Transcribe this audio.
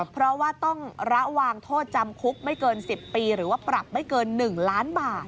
เพราะว่าต้องระวังโทษจำคุกไม่เกิน๑๐ปีหรือว่าปรับไม่เกิน๑ล้านบาท